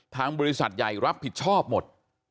ทางบริษัทใหญ่รับผิดชอบหมด